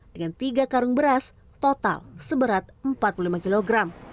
dengan tiga karung beras total seberat empat puluh lima kg